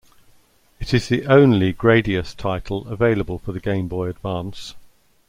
It is the only "Gradius" title available for the Game Boy Advance.